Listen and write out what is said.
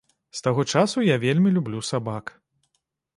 З таго часу я вельмі люблю сабак.